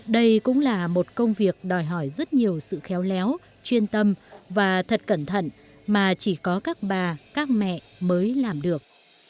đây cũng là một công việc đòi hỏi rất nhiều sự khéo léo chuyên tâm và thật cẩn thận mà chỉ có các bà các mẹ mới làm được